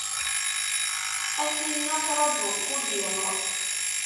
A tinna ttṛaǧuɣ kul iḍ.